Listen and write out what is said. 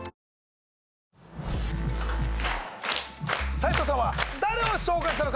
斎藤さんは誰を召喚したのか？